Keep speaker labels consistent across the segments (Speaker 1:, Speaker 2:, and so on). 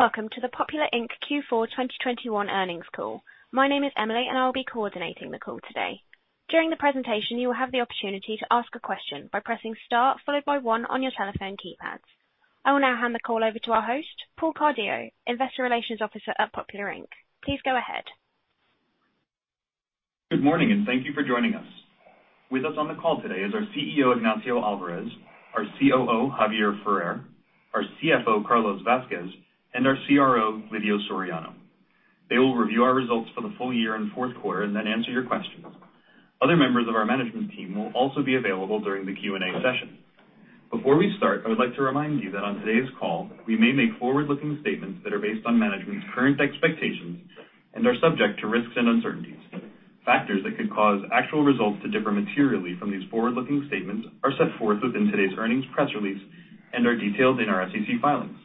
Speaker 1: Hello, and welcome to the Popular, Inc. Q4 2021 earnings call. My name is Emily, and I'll be coordinating the call today. During the presentation, you will have the opportunity to ask a question by pressing star followed by one on your telephone keypads. I will now hand the call over to our host, Paul Cardillo, Investor Relations Officer at Popular, Inc. Please go ahead.
Speaker 2: Good morning, and thank you for joining us. With us on the call today is our CEO, Ignacio Alvarez, our COO, Javier Ferrer, our CFO, Carlos Vázquez, and our CRO, Lidio Soriano. They will review our results for the full year and fourth quarter and then answer your questions. Other members of our management team will also be available during the Q&A session. Before we start, I would like to remind you that on today's call, we may make forward-looking statements that are based on management's current expectations and are subject to risks and uncertainties. Factors that could cause actual results to differ materially from these forward-looking statements are set forth within today's earnings press release and are detailed in our SEC filings.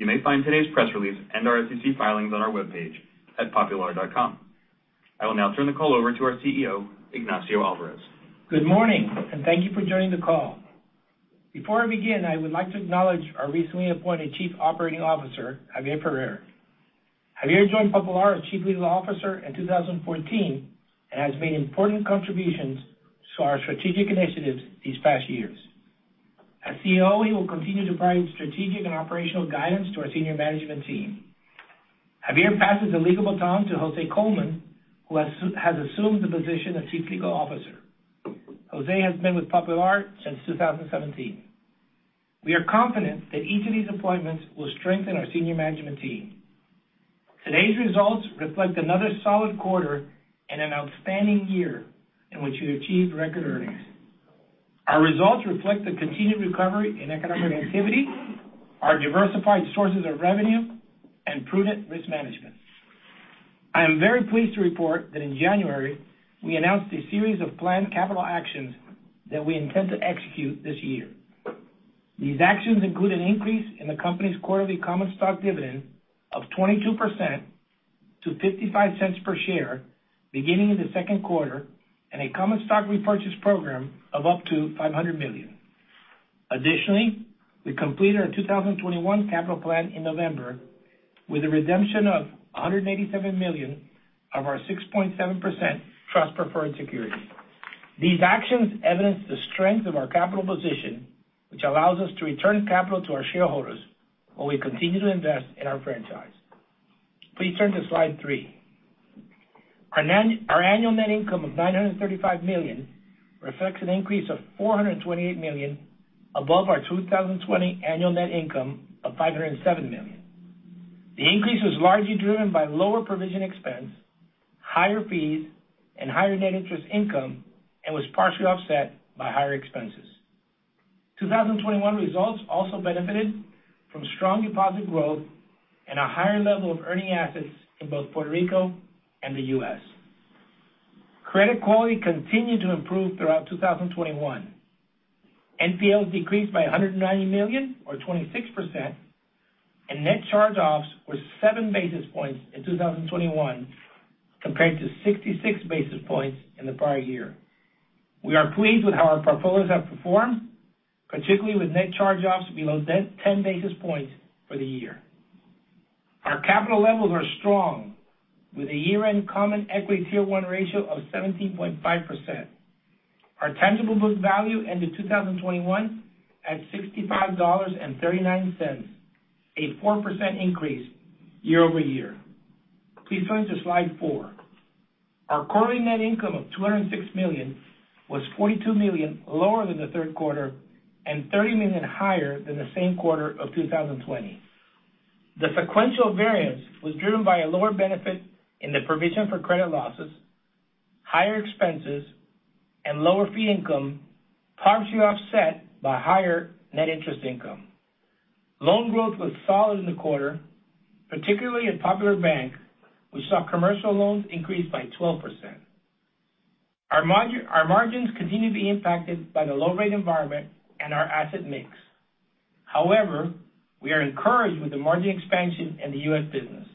Speaker 2: You may find today's press release and our SEC filings on our webpage at popular.com. I will now turn the call over to our CEO, Ignacio Alvarez.
Speaker 3: Good morning, and thank you for joining the call. Before I begin, I would like to acknowledge our recently appointed Chief Operating Officer, Javier Ferrer. Javier joined Popular as Chief Legal Officer in 2014 and has made important contributions to our strategic initiatives these past years. As COO, he will continue to provide strategic and operational guidance to our senior management team. Javier passes the legal baton to José Coleman, who has assumed the position of Chief Legal Officer. José has been with Popular since 2017. We are confident that each of these appointments will strengthen our senior management team. Today's results reflect another solid quarter and an outstanding year in which we achieved record earnings. Our results reflect the continued recovery in economic activity, our diversified sources of revenue, and prudent risk management. I am very pleased to report that in January, we announced a series of planned capital actions that we intend to execute this year. These actions include an increase in the company's quarterly common stock dividend of 22% to $0.55 per share beginning in the second quarter, and a common stock repurchase program of up to $500 million. Additionally, we completed our 2021 capital plan in November with a redemption of $187 million of our 6.7% trust preferred security. These actions evidence the strength of our capital position, which allows us to return capital to our shareholders while we continue to invest in our franchise. Please turn to slide three. Our annual net income of $935 million reflects an increase of $428 million above our 2020 annual net income of $507 million. The increase was largely driven by lower provision expense, higher fees, and higher net interest income, and was partially offset by higher expenses. 2021 results also benefited from strong deposit growth and a higher level of earning assets in both Puerto Rico and the U.S. Credit quality continued to improve throughout 2021. NPLs decreased by $190 million or 26%, and net charge-offs were 7 basis points in 2021 compared to 66 basis points in the prior year. We are pleased with how our portfolios have performed, particularly with net charge-offs below 10 basis points for the year. Our capital levels are strong with a year-end common equity tier one ratio of 17.5%. Our tangible book value ended 2021 at $65.39, a 4% increase year-over-year. Please turn to slide four. Our quarterly net income of $206 million was $42 million lower than the third quarter and $30 million higher than the same quarter of 2020. The sequential variance was driven by a lower benefit in the provision for credit losses, higher expenses, and lower fee income, partially offset by higher net interest income. Loan growth was solid in the quarter, particularly in Popular Bank. We saw commercial loans increase by 12%. Our margins continue to be impacted by the low rate environment and our asset mix. However, we are encouraged with the margin expansion in the U.S. business.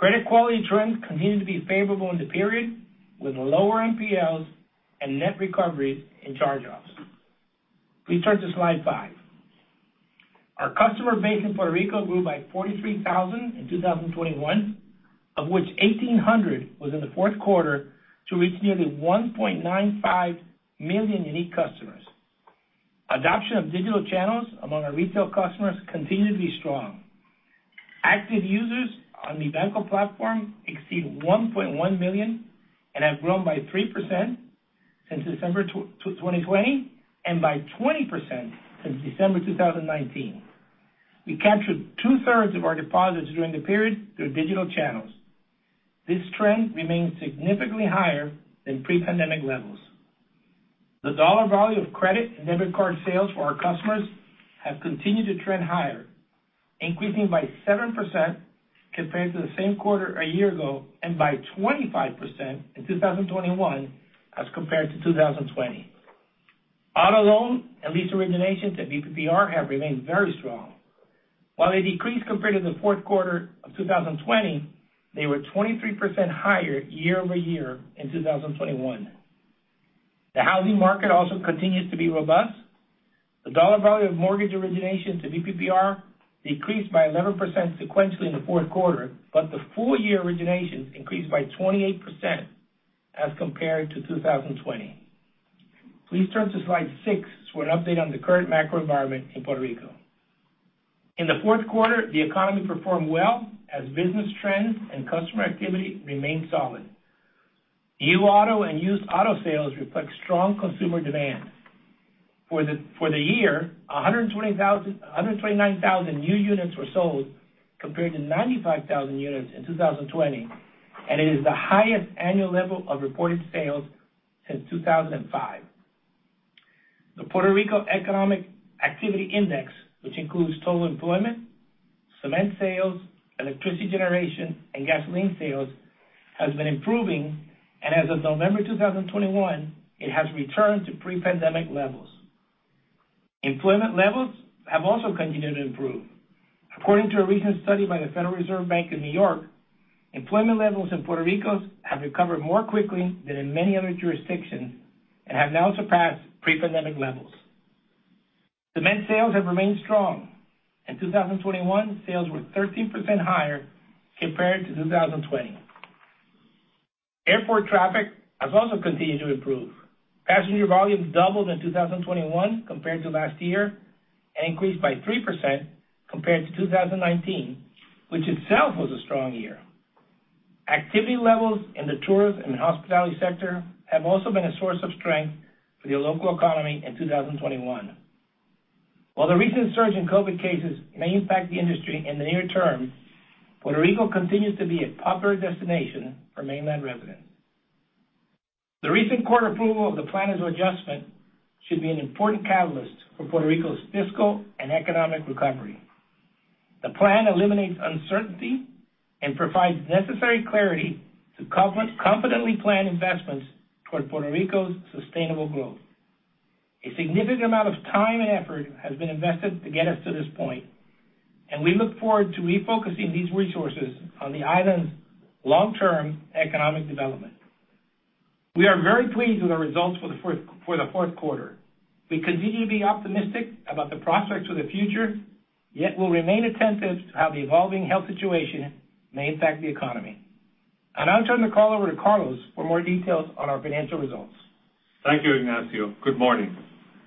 Speaker 3: Credit quality trends continued to be favorable in the period with lower NPLs and net recovery in charge-offs. Please turn to slide five. Our customer base in Puerto Rico grew by 43,000 in 2021, of which 1,800 was in the fourth quarter to reach nearly 1.95 million unique customers. Adoption of digital channels among our retail customers continued to be strong. Active users on the Banco platform exceed 1.1 million and have grown by 3% since December 2020 and by 20% since December 2019. We captured 2/3 of our deposits during the period through digital channels. This trend remains significantly higher than pre-pandemic levels. The dollar value of credit and debit card sales for our customers have continued to trend higher, increasing by 7% compared to the same quarter a year ago, and by 25% in 2021 as compared to 2020. Auto loan and lease originations at BPPR have remained very strong. While they decreased compared to the fourth quarter of 2020, they were 23% higher year-over-year in 2021. The housing market also continues to be robust. The dollar value of mortgage origination to BPPR decreased by 11% sequentially in the fourth quarter, but the full-year originations increased by 28% as compared to 2020. Please turn to slide six for an update on the current macro environment in Puerto Rico. In the fourth quarter, the economy performed well as business trends and customer activity remained solid. New auto and used auto sales reflect strong consumer demand. For the year, 129,000 new units were sold, compared to 95,000 units in 2020, and it is the highest annual level of reported sales since 2005. The Puerto Rico Economic Activity Index, which includes total employment, cement sales, electricity generation, and gasoline sales, has been improving, and as of November 2021, it has returned to pre-pandemic levels. Employment levels have also continued to improve. According to a recent study by the Federal Reserve Bank of New York, employment levels in Puerto Rico have recovered more quickly than in many other jurisdictions and have now surpassed pre-pandemic levels. Cement sales have remained strong. In 2021, sales were 13% higher compared to 2020. Airport traffic has also continued to improve. Passenger volumes doubled in 2021 compared to last year and increased by 3% compared to 2019, which itself was a strong year. Activity levels in the tourism and hospitality sector have also been a source of strength for the local economy in 2021. While the recent surge in COVID cases may impact the industry in the near term, Puerto Rico continues to be a popular destination for mainland residents. The recent court approval of the plan of adjustment should be an important catalyst for Puerto Rico's fiscal and economic recovery. The plan eliminates uncertainty and provides necessary clarity to confidently plan investments toward Puerto Rico's sustainable growth. A significant amount of time and effort has been invested to get us to this point, and we look forward to refocusing these resources on the island's long-term economic development. We are very pleased with our results for the fourth quarter. We continue to be optimistic about the prospects for the future, yet we'll remain attentive to how the evolving health situation may impact the economy. I'll now turn the call over to Carlos for more details on our financial results.
Speaker 4: Thank you, Ignacio. Good morning.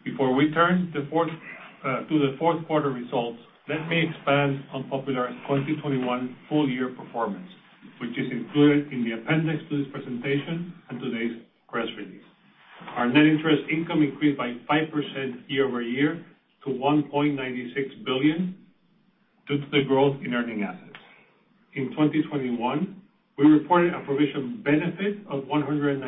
Speaker 4: Before we turn to the fourth quarter results, let me expand on Popular in 2021 full year performance, which is included in the appendix to this presentation and today's press release. Our net interest income increased by 5% year-over-year to $1.96 billion due to the growth in earning assets. In 2021, we reported a provision benefit of $194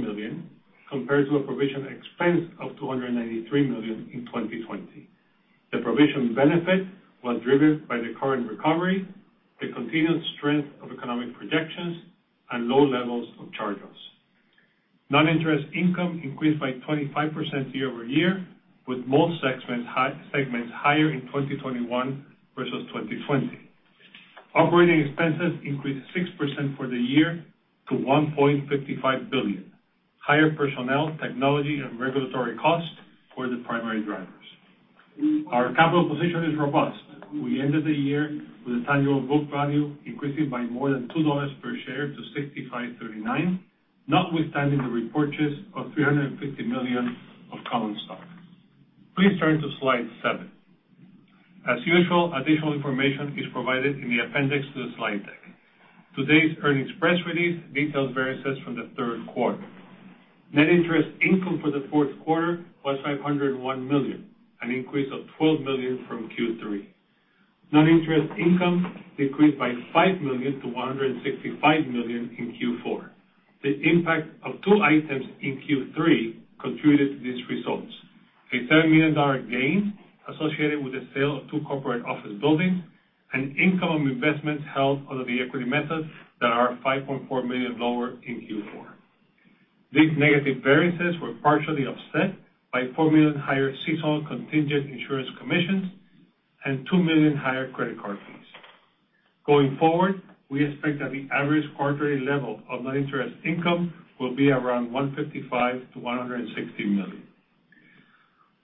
Speaker 4: million, compared to a provision expense of $293 million in 2020. The provision benefit was driven by the current recovery, the continued strength of economic projections, and low levels of charge-offs. Non-interest income increased by 25% year-over-year, with most segments higher in 2021 versus 2020. Operating expenses increased 6% for the year to $1.55 billion. Higher personnel, technology, and regulatory costs were the primary drivers. Our capital position is robust. We ended the year with a tangible book value increasing by more than $2 per share to $65.39, notwithstanding the repurchase of $350 million of common stock. Please turn to slide seven. As usual, additional information is provided in the appendix to the slide deck. Today's earnings press release details variances from the third quarter. Net interest income for the fourth quarter was $501 million, an increase of $12 million from Q3. Non-interest income decreased by $5 million to $165 million in Q4. The impact of two items in Q3 contributed to these results. A $10 million gain associated with the sale of two corporate office buildings and income of investments held under the equity method that are $5.4 million lower in Q4. These negative variances were partially offset by $4 million higher seasonal contingent insurance commissions and $2 million higher credit card fees. Going forward, we expect that the average quarterly level of non-interest income will be around $155 million-$160 million.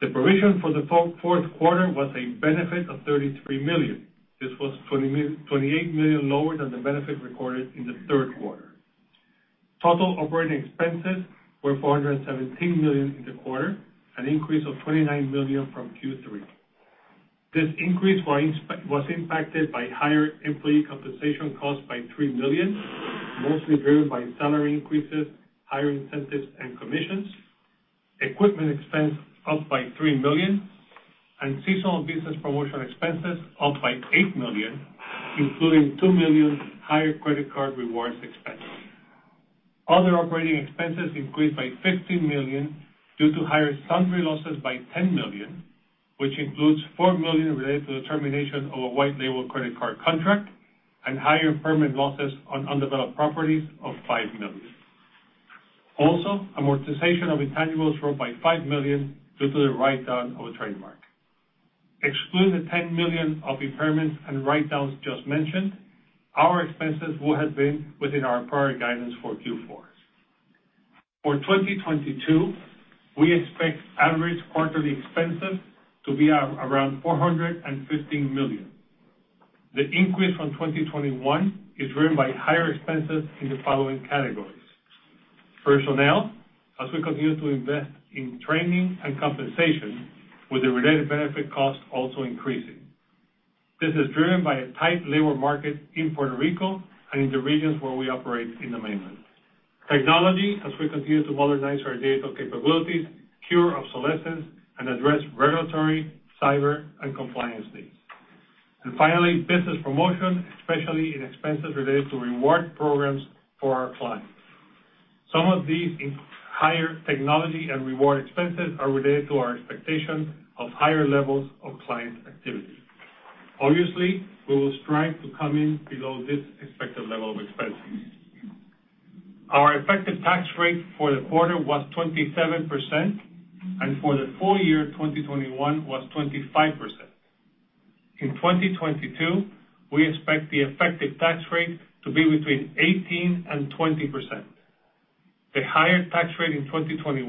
Speaker 4: The provision for the fourth quarter was a benefit of $33 million. This was $28 million lower than the benefit recorded in the third quarter. Total operating expenses were $417 million in the quarter, an increase of $29 million from Q3. This increase was impacted by higher employee compensation costs by $3 million, mostly driven by salary increases, higher incentives, and commissions. Equipment expense up by $3 million and seasonal business promotion expenses up by $8 million, including $2 million higher credit card rewards expenses. Other operating expenses increased by $15 million due to higher sundry losses by $10 million, which includes $4 million related to the termination of a white label credit card contract and higher impairment losses on undeveloped properties of $5 million. Also, amortization of intangibles rose by $5 million due to the write-down of a trademark. Excluding the $10 million of impairments and write-downs just mentioned, our expenses would have been within our prior guidance for Q4. For 2022, we expect average quarterly expenses to be around $415 million. The increase from 2021 is driven by higher expenses in the following categories. Personnel, as we continue to invest in training and compensation with the related benefit costs also increasing. This is driven by a tight labor market in Puerto Rico and in the regions where we operate in the mainland, technology, as we continue to modernize our data capabilities, cure obsolescence, and address regulatory, cyber, and compliance needs, and finally, business promotion, especially in expenses related to reward programs for our clients. Some of these higher technology and reward expenses are related to our expectations of higher levels of client activity. Obviously, we will strive to come in below this expected level of expenses. Our effective tax rate for the quarter was 27%, and for the full year 2021 was 25%. In 2022, we expect the effective tax rate to be between 18% and 20%. The higher tax rate in 2021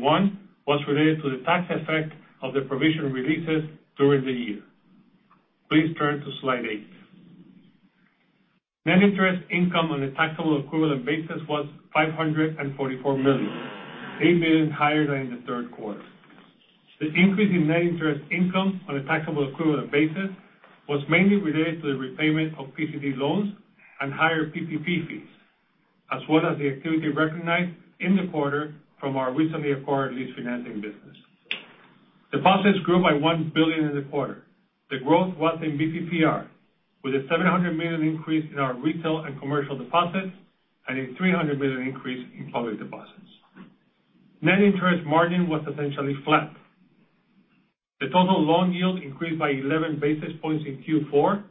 Speaker 4: was related to the tax effect of the provision releases during the year. Please turn to slide eight. Net interest income on a taxable equivalent basis was $544 million, $8 million higher than in the third quarter. The increase in net interest income on a taxable equivalent basis was mainly related to the repayment of PCD loans and higher PPP fees, as well as the activity recognized in the quarter from our recently acquired lease financing business. Deposits grew by $1 billion in the quarter. The growth was in BPPR, with a $700 million increase in our retail and commercial deposits and a $300 million increase in public deposits. Net interest margin was essentially flat. The total loan yield increased by 11 basis points in Q4,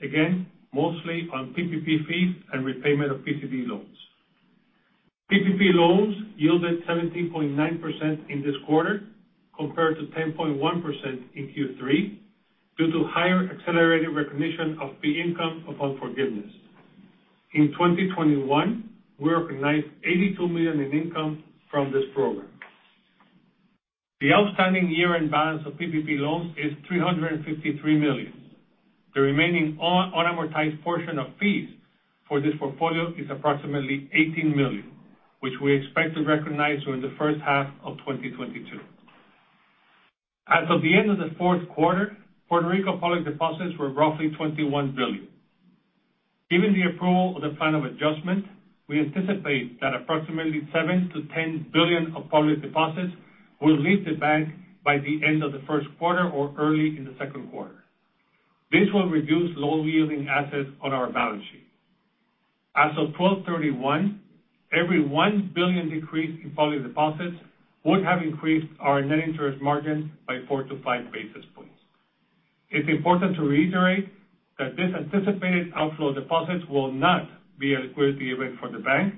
Speaker 4: again, mostly on PPP fees and repayment of PCD loans. PPP loans yielded 17.9% in this quarter compared to 10.1% in Q3 due to higher accelerated recognition of fee income upon forgiveness. In 2021, we recognized $82 million in income from this program. The outstanding year-end balance of PPP loans is $353 million. The remaining unamortized portion of fees for this portfolio is approximately $18 million, which we expect to recognize during the first half of 2022. As of the end of the fourth quarter, Puerto Rico public deposits were roughly $21 billion. Given the approval of the plan of adjustment, we anticipate that approximately $7 billion-$10 billion of public deposits will leave the bank by the end of the first quarter or early in the second quarter. This will reduce low-yielding assets on our balance sheet. As of 12/31, every $1 billion decrease in public deposits would have increased our net interest margin by 4 basis points-5 basis points. It's important to reiterate that this anticipated outflow of deposits will not be a liquidity event for the bank,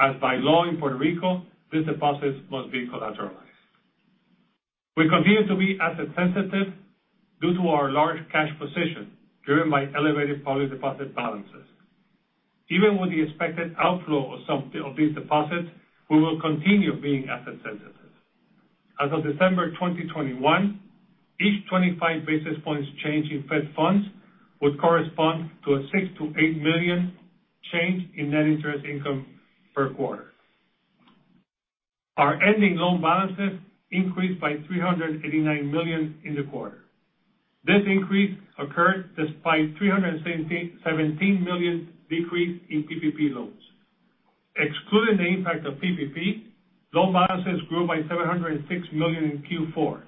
Speaker 4: as by law in Puerto Rico, these deposits must be collateralized. We continue to be asset sensitive due to our large cash position driven by elevated public deposit balances. Even with the expected outflow of some of these deposits, we will continue being asset sensitive. As of December 2021, each 25 basis points change in Fed funds would correspond to a $6 million-$8 million change in net interest income per quarter. Our ending loan balances increased by $389 million in the quarter. This increase occurred despite $317 million decrease in PPP loans. Excluding the impact of PPP, loan balances grew by $706 million in Q4,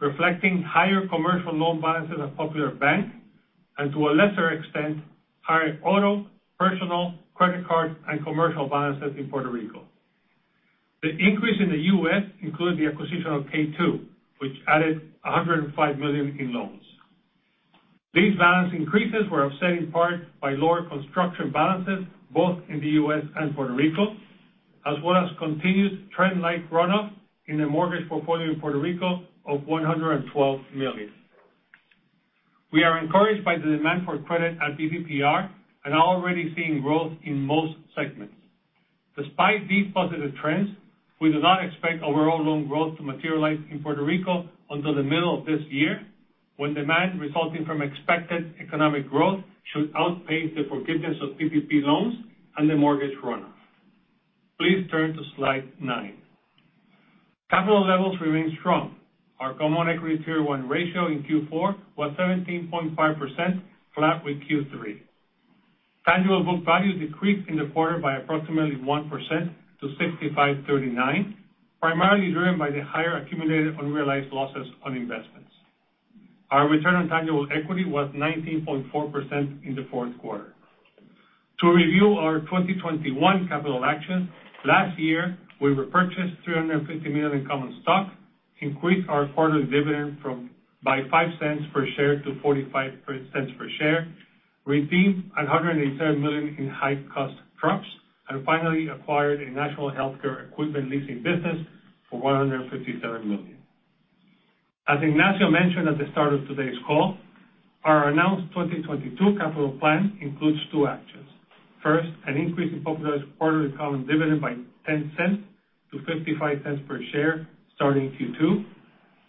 Speaker 4: reflecting higher commercial loan balances at Popular Bank, and to a lesser extent, higher auto, personal, credit card, and commercial balances in Puerto Rico. The increase in the U.S. includes the acquisition of K2, which added $105 million in loans. These balance increases were offset in part by lower construction balances, both in the U.S. and Puerto Rico, as well as continued trend-like runoff in the mortgage portfolio in Puerto Rico of $112 million. We are encouraged by the demand for credit at BPPR and are already seeing growth in most segments. Despite these positive trends, we do not expect overall loan growth to materialize in Puerto Rico until the middle of this year, when demand resulting from expected economic growth should outpace the forgiveness of PPP loans and the mortgage runoff. Please turn to slide nine. Capital levels remain strong. Our common equity tier one ratio in Q4 was 17.5%, flat with Q3. Tangible book value decreased in the quarter by approximately 1% to $65.39, primarily driven by the higher accumulated unrealized losses on investments. Our return on tangible equity was 19.4% in the fourth quarter. To review our 2021 capital action, last year, we repurchased $350 million in common stock, increased our quarterly dividend by $0.05 per share to $0.45 per share. Redeemed $187 million in high-cost TruPS, and finally acquired a national healthcare equipment leasing business for $157 million. As Ignacio mentioned at the start of today's call, our announced 2022 capital plan includes two actions. First, an increase in Popular's quarterly common dividend by $0.10-$0.55 per share starting Q2.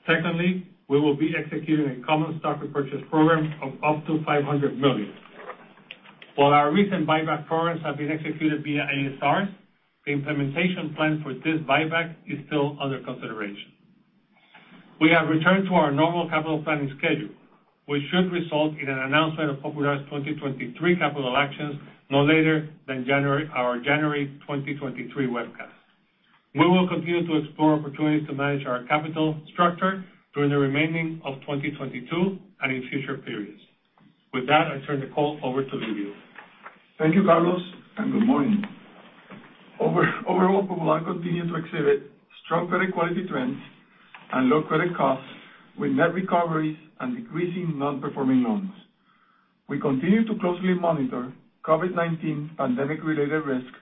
Speaker 4: Secondly, we will be executing a common stock repurchase program of up to $500 million. While our recent buyback programs have been executed via ASRs, the implementation plan for this buyback is still under consideration. We have returned to our normal capital planning schedule, which should result in an announcement of Popular's 2023 capital actions no later than our January 2023 webcast. We will continue to explore opportunities to manage our capital structure during the remainder of 2022 and in future periods. With that, I turn the call over to Lidio.
Speaker 5: Thank you, Carlos, and good morning. Overall, Popular continued to exhibit strong credit quality trends and low credit costs with net recoveries and decreasing non-performing loans. We continue to closely monitor COVID-19 pandemic-related risk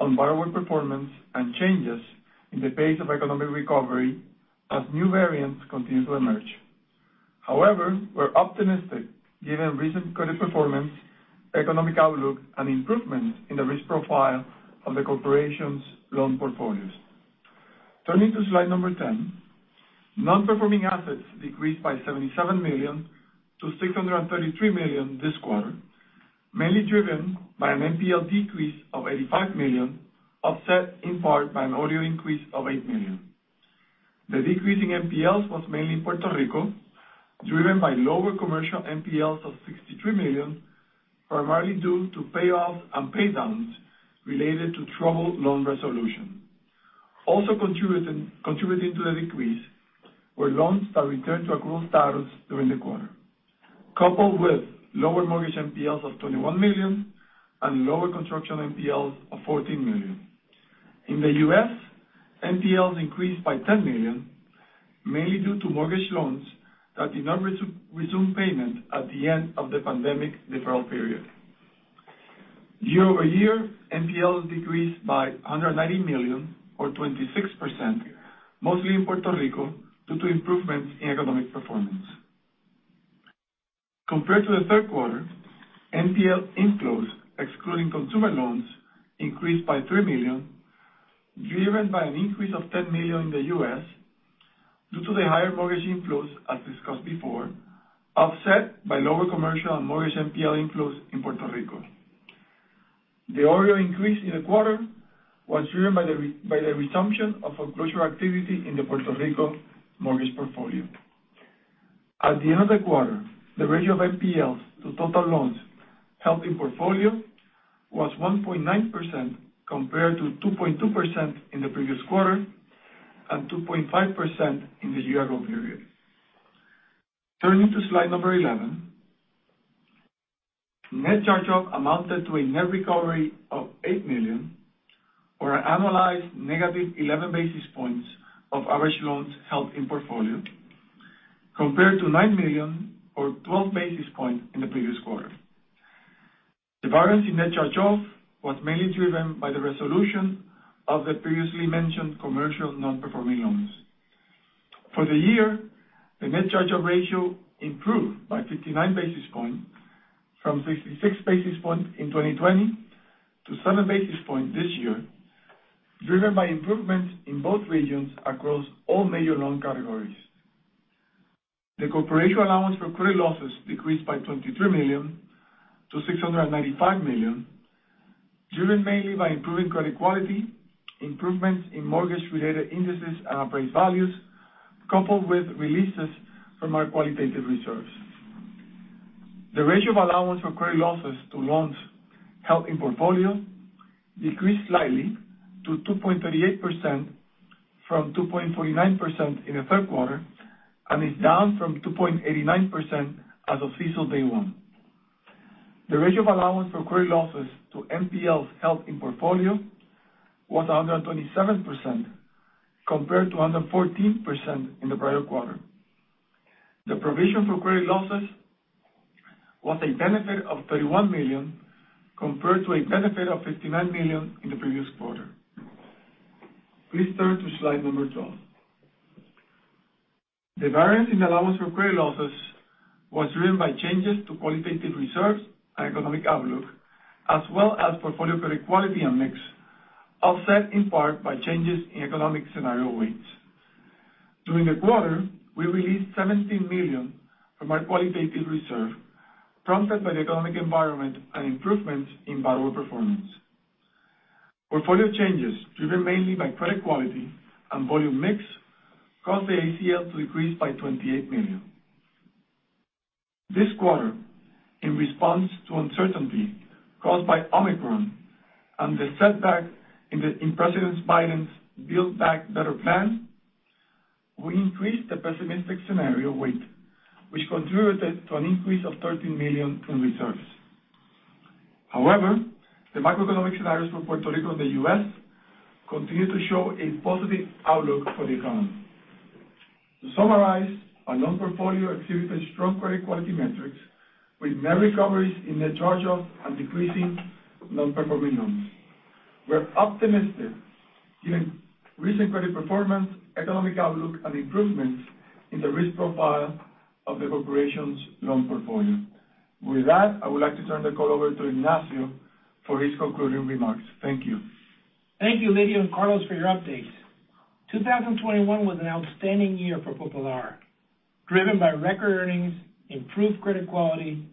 Speaker 5: on borrower performance and changes in the pace of economic recovery as new variants continue to emerge. However, we're optimistic given recent credit performance, economic outlook, and improvements in the risk profile of the corporation's loan portfolios. Turning to slide 10. Non-performing assets decreased by $77 million-$633 million this quarter, mainly driven by an NPL decrease of $85 million, offset in part by an OREO increase of $8 million. The decrease in NPLs was mainly in Puerto Rico, driven by lower commercial NPLs of $63 million, primarily due to payoffs and paydowns related to troubled loan resolution. Also contributing to the decrease were loans that returned to accrual status during the quarter, coupled with lower mortgage NPLs of $21 million and lower construction NPLs of $14 million. In the U.S., NPLs increased by $10 million, mainly due to mortgage loans that did not resume payment at the end of the pandemic deferral period. Year-over-year, NPLs decreased by $190 million or 26%, mostly in Puerto Rico due to improvements in economic performance. Compared to the third quarter, NPL inflows excluding consumer loans increased by $3 million, driven by an increase of $10 million in the U.S. due to the higher mortgage inflows as discussed before, offset by lower commercial and mortgage NPL inflows in Puerto Rico. The OREO increase in the quarter was driven by the resumption of foreclosure activity in the Puerto Rico mortgage portfolio. At the end of the quarter, the ratio of NPLs to total loans held in portfolio was 1.9% compared to 2.2% in the previous quarter and 2.5% in the year-over-year period. Turning to slide 11. Net charge-off amounted to a net recovery of $8 million or an annualized -11 basis points of average loans held in portfolio, compared to $9 million or 12 basis points in the previous quarter. The variance in net charge-off was mainly driven by the resolution of the previously mentioned commercial non-performing loans. For the year, the net charge-off ratio improved by 59 basis points from 66 basis points in 2020 to 7 basis points this year, driven by improvements in both regions across all major loan categories. The corporation's allowance for credit losses decreased by $23 million to $695 million, driven mainly by improving credit quality, improvements in mortgage-related indices and appraised values, coupled with releases from our qualitative reserves. The ratio of allowance for credit losses to loans held in portfolio decreased slightly to 2.38% from 2.49% in the third quarter, and is down from 2.89% as of CECL day one. The ratio of allowance for credit losses to NPLs held in portfolio was 127%, compared to 114% in the prior quarter. The provision for credit losses was a benefit of $31 million, compared to a benefit of $59 million in the previous quarter. Please turn to slide 12. The variance in allowance for credit losses was driven by changes to qualitative reserves and economic outlook, as well as portfolio credit quality and mix, offset in part by changes in economic scenario weights. During the quarter, we released $17 million from our qualitative reserve, prompted by the economic environment and improvements in borrower performance. Portfolio changes driven mainly by credit quality and volume mix caused the ACL to decrease by $28 million. This quarter, in response to uncertainty caused by Omicron and the setback in President Biden's Build Back Better plan, we increased the pessimistic scenario weight, which contributed to an increase of $13 million in reserves. However, the macroeconomic scenarios for Puerto Rico and the U.S. continue to show a positive outlook for the economy. To summarize, our loan portfolio exhibited strong credit quality metrics with net recoveries in net charge-off and decreasing non-performing loans. We're optimistic given recent credit performance, economic outlook, and improvements in the risk profile of the corporation's loan portfolio. With that, I would like to turn the call over to Ignacio for his concluding remarks. Thank you.
Speaker 3: Thank you, Lidio and Carlos, for your updates. 2021 was an outstanding year for Popular, driven by record earnings, improved credit quality,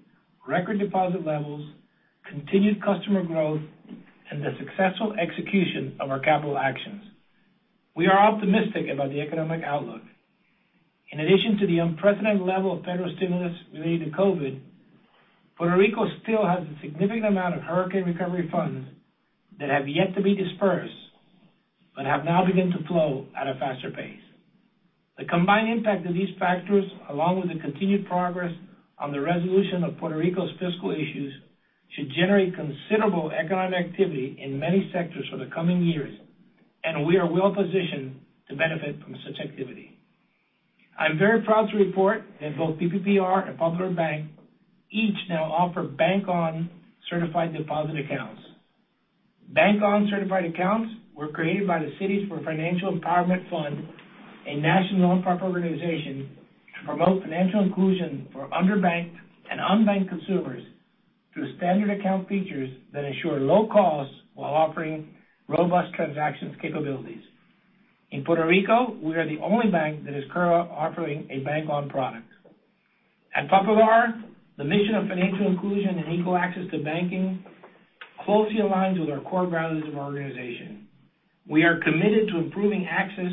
Speaker 3: record deposit levels, continued customer growth, and the successful execution of our capital actions. We are optimistic about the economic outlook. In addition to the unprecedented level of federal stimulus related to COVID, Puerto Rico still has a significant amount of hurricane recovery funds that have yet to be dispersed, but have now begun to flow at a faster pace. The combined impact of these factors, along with the continued progress on the resolution of Puerto Rico's fiscal issues, should generate considerable economic activity in many sectors for the coming years, and we are well positioned to benefit from such activity. I'm very proud to report that both BPPR and Popular Bank each now offer Bank On certified deposit accounts. Bank On certified accounts were created by the Cities for Financial Empowerment Fund, a national nonprofit organization, to promote financial inclusion for underbanked and unbanked consumers through standard account features that ensure low costs while offering robust transaction capabilities. In Puerto Rico, we are the only bank that is currently offering a Bank On product. At Popular, the mission of financial inclusion and equal access to banking closely aligns with our core values of our organization. We are committed to improving access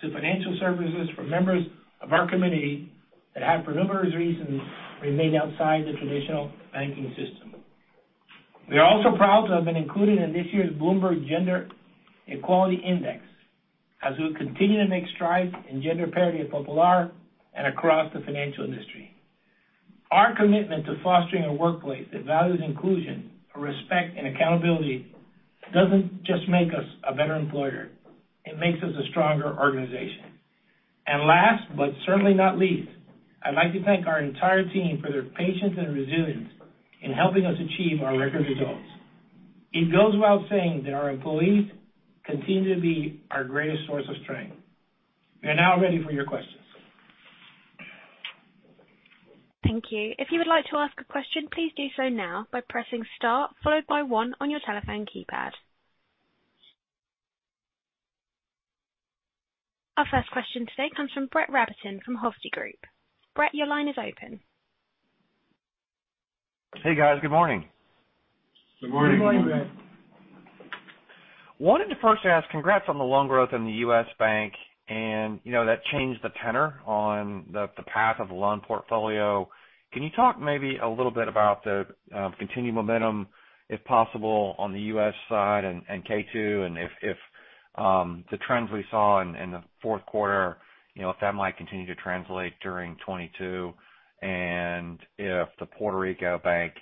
Speaker 3: to financial services for members of our community that have, for numerous reasons, remained outside the traditional banking system. We are also proud to have been included in this year's Bloomberg Gender-Equality Index as we continue to make strides in gender parity at Popular and across the financial industry. Our commitment to fostering a workplace that values inclusion, respect, and accountability doesn't just make us a better employer, it makes us a stronger organization. Last, but certainly not least, I'd like to thank our entire team for their patience and resilience in helping us achieve our record results. It goes without saying that our employees continue to be our greatest source of strength. We are now ready for your questions.
Speaker 1: Thank you. If you would like to ask a question, please do so now by pressing star followed by one on your telephone keypad. Our first question today comes from Brett Rabatin from Hovde Group. Brett, your line is open.
Speaker 6: Hey, guys. Good morning.
Speaker 4: Good morning.
Speaker 3: Good morning, Brett.
Speaker 6: Wanted to first ask, congrats on the loan growth in the U.S. Bank, and you know that changed the tenor on the path of the loan portfolio. Can you talk maybe a little bit about the continued momentum, if possible, on the U.S. side and K2, and if the trends we saw in the fourth quarter, you know, if that might continue to translate during 2022. If the Puerto Rico Bank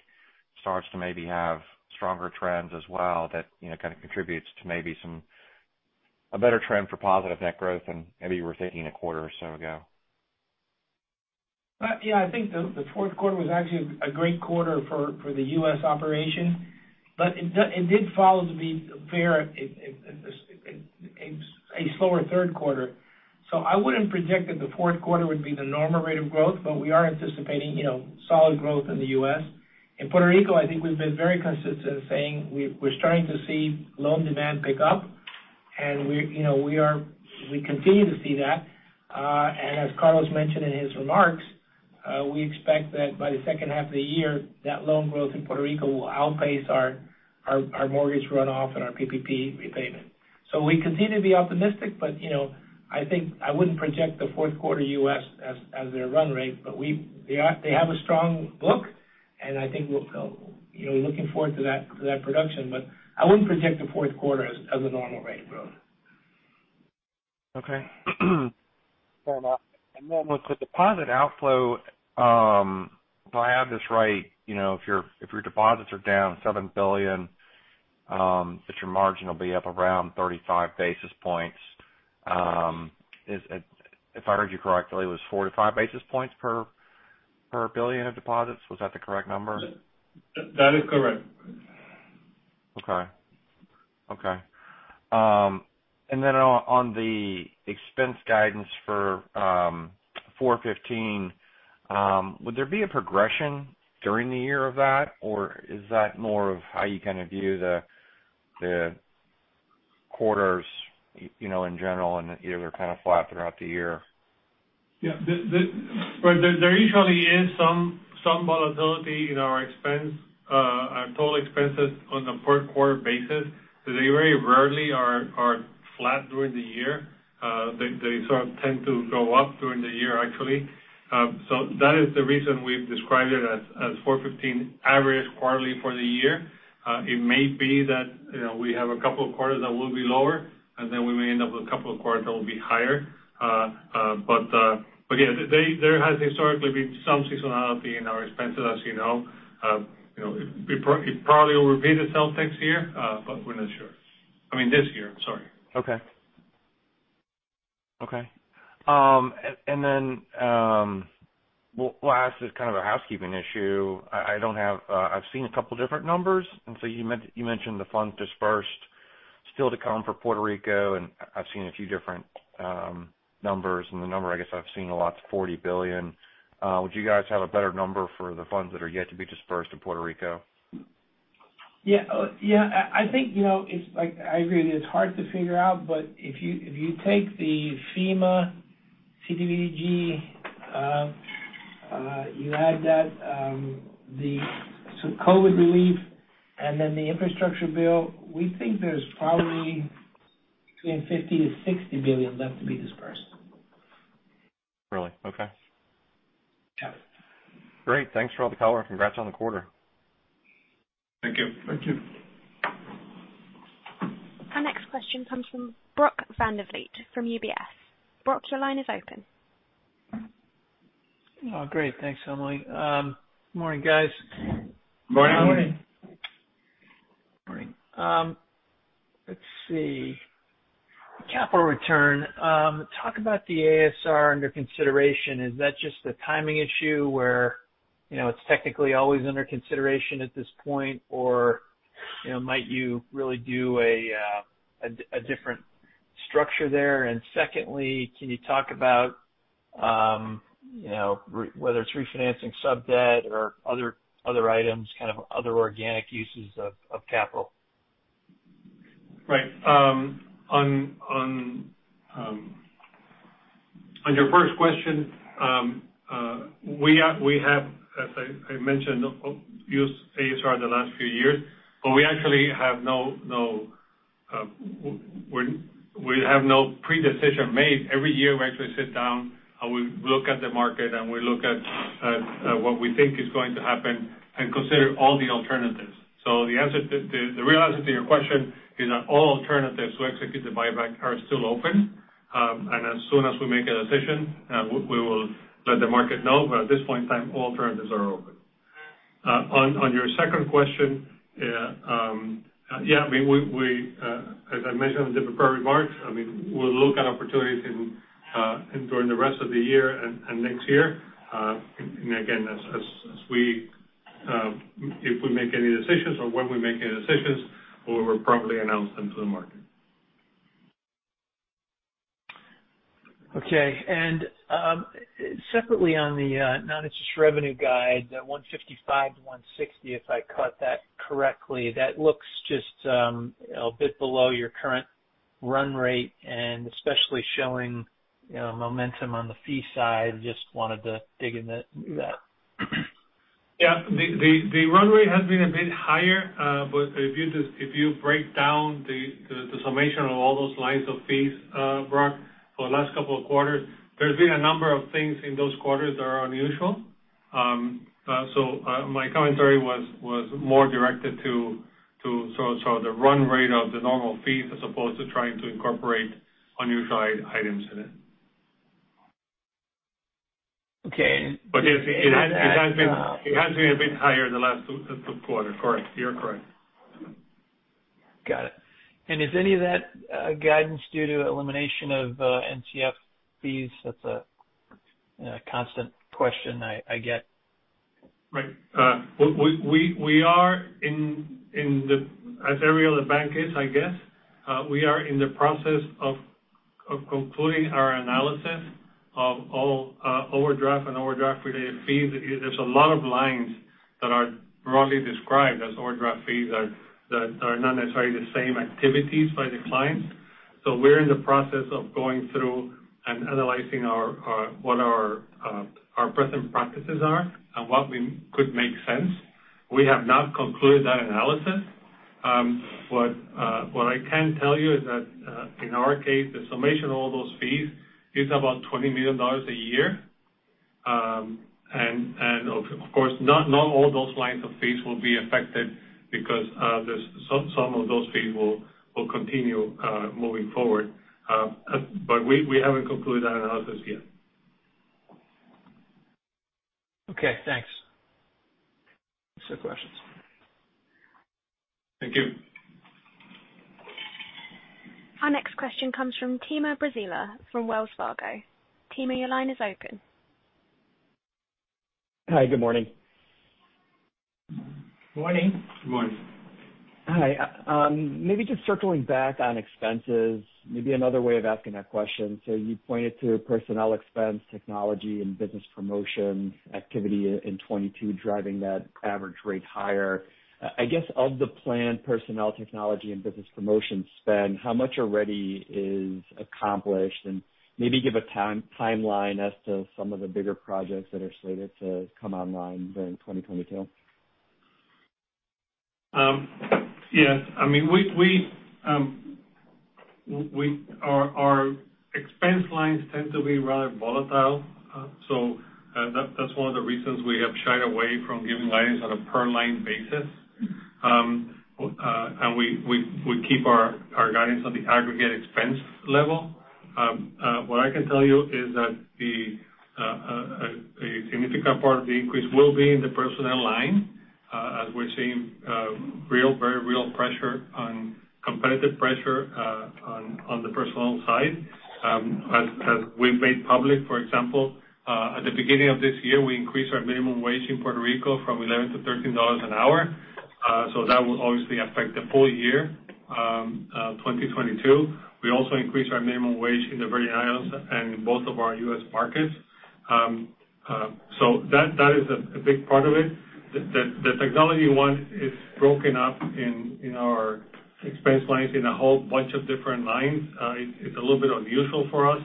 Speaker 6: starts to maybe have stronger trends as well that, you know, kind of contributes to maybe a better trend for positive net growth than maybe you were thinking a quarter or so ago.
Speaker 3: I think the fourth quarter was actually a great quarter for the U.S. operation, but it did follow, to be fair, a slower third quarter. I wouldn't predict that the fourth quarter would be the normal rate of growth, but we are anticipating, you know, solid growth in the U.S. In Puerto Rico, I think we've been very consistent saying we're starting to see loan demand pick up and we, you know, continue to see that. As Carlos mentioned in his remarks, we expect that by the second half of the year, that loan growth in Puerto Rico will outpace our mortgage runoff and our PPP repayment. We continue to be optimistic, but, you know, I think I wouldn't project the fourth quarter U.S. as their run rate. They have a strong book, and I think we're, you know, looking forward to that production. I wouldn't project the fourth quarter as a normal rate of growth.
Speaker 6: Okay. Fair enough. With the deposit outflow, if I have this right, you know, if your deposits are down $7 billion, but your margin will be up around 35 basis points, is it, if I heard you correctly, it was 4 basis points-5 basis points per billion of deposits. Was that the correct number?
Speaker 4: That is correct.
Speaker 6: On the expense guidance for FY 2015, would there be a progression during the year of that, or is that more of how you kind of view the quarters, you know, in general and either kind of flat throughout the year?
Speaker 4: Yeah. Well, there usually is some volatility in our expenses, our total expenses on a per quarter basis. They very rarely are flat during the year. They sort of tend to go up during the year, actually. That is the reason we've described it as $415 average quarterly for the year. It may be that, you know, we have a couple of quarters that will be lower, and then we may end up with a couple of quarters that will be higher. Again, there has historically been some seasonality in our expenses, as you know. You know, it probably will repeat itself next year, but we're not sure. I mean this year. Sorry.
Speaker 6: Okay. The last is kind of a housekeeping issue. I don't have. I've seen a couple different numbers, so you mentioned the funds disbursed still to come for Puerto Rico, and I've seen a few different numbers. The number I guess I've seen a lot is $40 billion. Would you guys have a better number for the funds that are yet to be disbursed in Puerto Rico?
Speaker 3: Yeah. I think, you know, it's like I agree that it's hard to figure out, but if you take the FEMA CDBG, you add that, so COVID relief and then the infrastructure bill, we think there's probably between $50 billion-$60 billion left to be disbursed.
Speaker 6: Really? Okay.
Speaker 3: Yeah.
Speaker 6: Great. Thanks for all the color. Congrats on the quarter.
Speaker 4: Thank you.
Speaker 3: Thank you.
Speaker 1: Our next question comes from Brock Vandervliet from UBS. Brock, your line is open.
Speaker 7: Oh, great. Thanks, Emily. Morning, guys.
Speaker 4: Morning.
Speaker 7: Morning. Let's see. Capital return. Talk about the ASR under consideration. Is that just a timing issue where, you know, it's technically always under consideration at this point? Or, you know, might you really do a different structure there? Secondly, can you talk about whether it's refinancing sub-debt or other items, kind of other organic uses of capital?
Speaker 4: Right. On your first question, we have, as I mentioned, used ASR the last few years, but we actually have no pre-decision made. Every year, we actually sit down and we look at the market and we look at what we think is going to happen and consider all the alternatives. The real answer to your question is that all alternatives to execute the buyback are still open. As soon as we make a decision, we will let the market know. At this point in time, all alternatives are open. On your second question, yeah, I mean, as I mentioned in the prepared remarks, I mean, we'll look at opportunities during the rest of the year and next year. Again, as we, if we make any decisions or when we make any decisions, we will promptly announce them to the market.
Speaker 7: Separately on the non-interest revenue guide, $155 million-$160 million, if I caught that correctly. That looks just, you know, a bit below your current run rate and especially showing, you know, momentum on the fee side. Just wanted to dig into that.
Speaker 4: Yeah. The run rate has been a bit higher. If you break down the summation of all those lines of fees, Brock, for the last couple of quarters, there's been a number of things in those quarters that are unusual. My commentary was more directed to sort of the run rate of the normal fees as opposed to trying to incorporate unusual items in it.
Speaker 7: Okay.
Speaker 4: It has been a bit higher the last two quarters. Correct. You're correct.
Speaker 7: Got it. Is any of that guidance due to elimination of NSF fees? That's a constant question I get.
Speaker 4: Right. We are in, as every other bank is, I guess, we are in the process of concluding our analysis of all overdraft and overdraft-related fees. There's a lot of lines that are broadly described as overdraft fees that are not necessarily the same activities by the clients. We're in the process of going through and analyzing our present practices and what we could make sense. We have not concluded that analysis. What I can tell you is that in our case, the summation of all those fees is about $20 million a year. Of course, not all those lines of fees will be affected because there's some of those fees will continue moving forward. We haven't concluded that analysis yet.
Speaker 7: Okay, thanks. That's the questions.
Speaker 4: Thank you.
Speaker 1: Our next question comes from Timur Braziler from Wells Fargo. Timur, your line is open.
Speaker 8: Hi, good morning.
Speaker 3: Morning.
Speaker 4: Morning.
Speaker 8: Hi. Maybe just circling back on expenses, maybe another way of asking that question. You pointed to personnel expense, technology and business promotion activity in 2022 driving that average rate higher. I guess, of the planned personnel technology and business promotion spend, how much already is accomplished? Maybe give a timeline as to some of the bigger projects that are slated to come online during 2022.
Speaker 4: Yes. I mean, our expense lines tend to be rather volatile. That's one of the reasons we have shied away from giving guidance on a per line basis. We keep our guidance on the aggregate expense level. What I can tell you is that a significant part of the increase will be in the personnel line, as we're seeing very real competitive pressure on the personnel side. As we've made public, for example, at the beginning of this year, we increased our minimum wage in Puerto Rico from $11-$13 an hour. That will obviously affect the full year 2022. We also increased our minimum wage in the Virgin Islands and in both of our U.S. markets. That is a big part of it. The technology one is broken up in our expense lines in a whole bunch of different lines. It's a little bit unusual for us.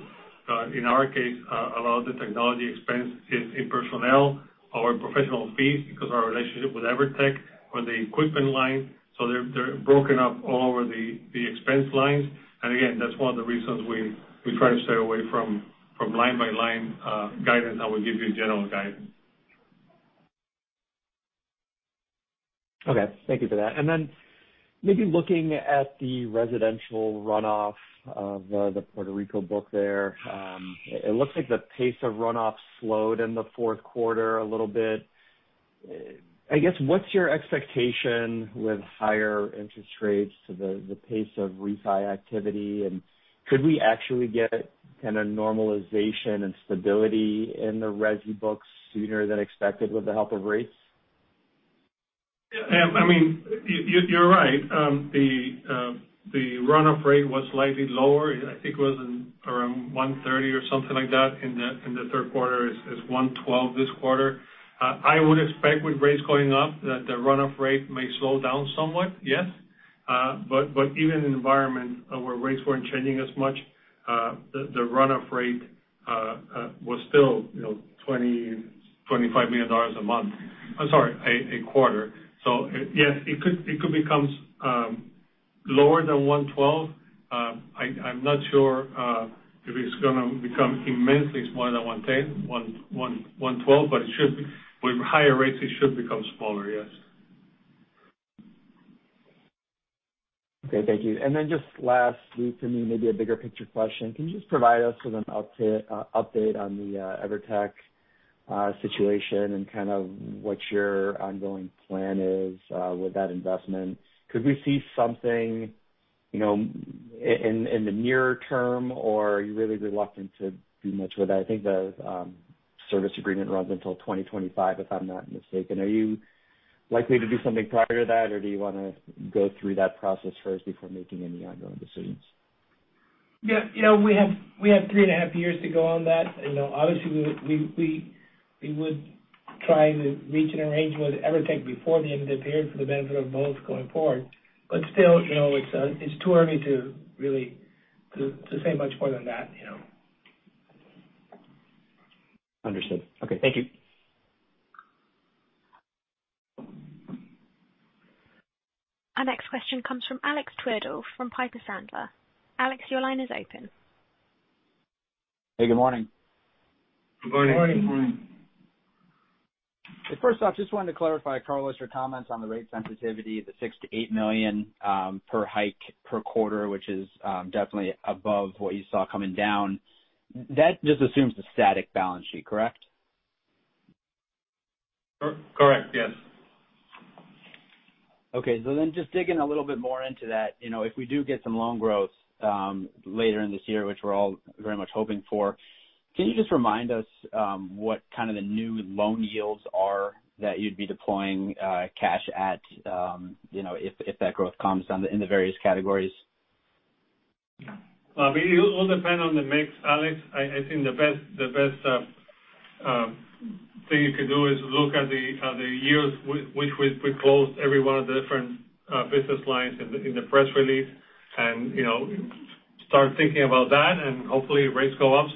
Speaker 4: In our case, a lot of the technology expense is in personnel or in professional fees because our relationship with Evertec or the equipment line, so they're broken up all over the expense lines. Again, that's one of the reasons we try to stay away from line by line guidance, and we give you general guidance.
Speaker 8: Okay. Thank you for that. Maybe looking at the residential runoff of the Puerto Rico book there, it looks like the pace of runoff slowed in the fourth quarter a little bit. I guess, what's your expectation with higher interest rates to the pace of refi activity, and could we actually get kinda normalization and stability in the resi books sooner than expected with the help of rates?
Speaker 4: Yeah. I mean, you're right. The runoff rate was slightly lower. I think it was around 130 or something like that in the third quarter. It's 112 this quarter. I would expect with rates going up that the runoff rate may slow down somewhat, yes. But even in an environment where rates weren't changing as much, the runoff rate was still, you know, $20 million-$25 million a quarter. I'm sorry, a quarter. Yes, it could become lower than 112. I'm not sure if it's gonna become immensely smaller than 110, 112, but it should be. With higher rates, it should become smaller, yes.
Speaker 8: Okay, thank you. Just lastly for me, maybe a bigger picture question, can you just provide us with an update on the Evertec situation and kind of what your ongoing plan is with that investment? Could we see something, you know, in the near term, or are you really reluctant to do much with that? I think the service agreement runs until 2025, if I'm not mistaken. Are you likely to do something prior to that, or do you wanna go through that process first before making any ongoing decisions?
Speaker 3: Yeah. You know, we have 3.5 years to go on that. You know, obviously, we would try to reach an arrangement with Evertec before the end of that period for the benefit of both going forward. Still, you know, it's too early to really say much more than that, you know.
Speaker 8: Understood. Okay. Thank you.
Speaker 1: Our next question comes from Alex Twerdahl from Piper Sandler. Alex, your line is open.
Speaker 9: Hey, good morning.
Speaker 4: Good morning.
Speaker 3: Good morning.
Speaker 9: First off, just wanted to clarify, Carlos, your comments on the rate sensitivity, the $6 million-$8 million per hike per quarter, which is definitely above what you saw coming down. That just assumes the static balance sheet, correct?
Speaker 4: Correct. Yes.
Speaker 9: Okay. Just digging a little bit more into that, you know, if we do get some loan growth later in this year, which we're all very much hoping for, can you just remind us what kind of the new loan yields are that you'd be deploying cash at, you know, if that growth comes in the various categories?
Speaker 4: It will depend on the mix, Alex. I think the best thing you could do is look at the yields which we disclosed every one of the different business lines in the press release and, you know, start thinking about that. Hopefully if rates go up,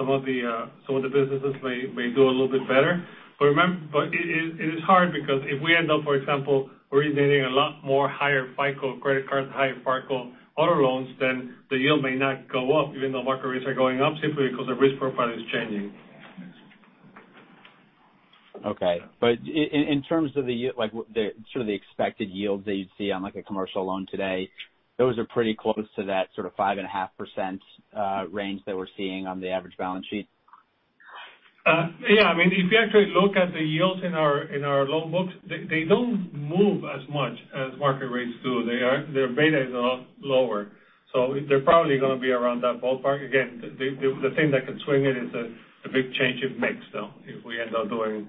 Speaker 4: some of the businesses may do a little bit better. But it is hard because if we end up, for example, originating a lot more higher FICO credit cards and higher FICO auto loans, then the yield may not go up even though market rates are going up simply because the risk profile is changing.
Speaker 9: Okay. In terms of the like, the sort of the expected yields that you'd see on, like, a commercial loan today, those are pretty close to that sort of 5.5% range that we're seeing on the average balance sheet?
Speaker 4: Yeah. I mean, if you actually look at the yields in our loan books, they don't move as much as market rates do. Their beta is a lot lower. They're probably gonna be around that ballpark. Again, the thing that can swing it is a big change in mix, though, if we end up doing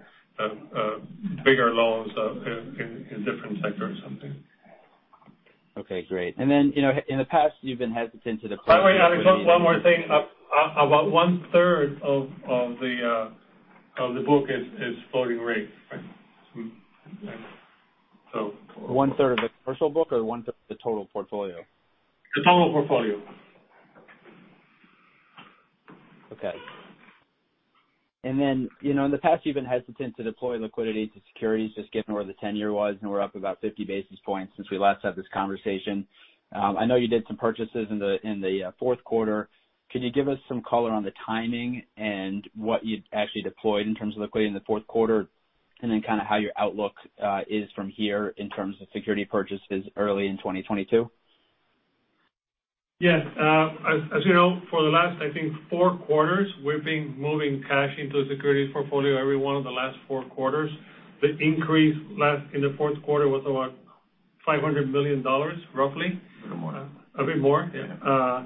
Speaker 4: bigger loans in different sectors or something.
Speaker 9: Okay, great. You know, in the past you've been hesitant to deploy-
Speaker 4: Sorry, Alex, one more thing. About 1/3 of the book is floating rates.
Speaker 9: One-third of the commercial book or 1/3 of the total portfolio?
Speaker 4: The total portfolio.
Speaker 9: Okay. You know, in the past, you've been hesitant to deploy liquidity to securities, just given where the 10-year was, and we're up about 50 basis points since we last had this conversation. I know you did some purchases in the fourth quarter. Can you give us some color on the timing and what you'd actually deployed in terms of liquidity in the fourth quarter? How your outlook is from here in terms of securities purchases early in 2022.
Speaker 4: Yes. As you know, for the last, I think, four quarters, we've been moving cash into a securities portfolio every one of the last four quarters. The increase in the fourth quarter was about $500 million, roughly.
Speaker 3: A little more.
Speaker 4: A bit more?
Speaker 3: Yeah.